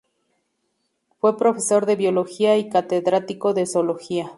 Fue Profesor de biología y catedrático de zoología.